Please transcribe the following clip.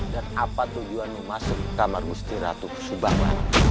dan apa tujuanmu masuk kamar musti ratu subang